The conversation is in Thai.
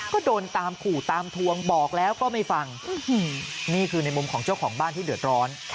ก็โดนตามขู่ตามทวงบอกแล้วก็ไม่ฟังนี่คือในมุมของเจ้าของบ้านที่เดือดร้อน